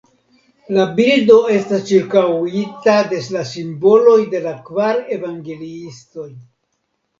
La bildo estas ĉirkaŭita de la simboloj de la kvar evangeliistoj.